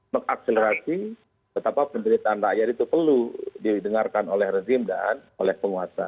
mengakselerasi betapa penderitaan rakyat itu perlu didengarkan oleh rezim dan oleh penguasa